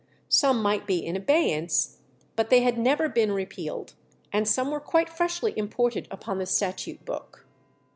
Some might be in abeyance, but they had never been repealed, and some were quite freshly imported upon the Statute Book.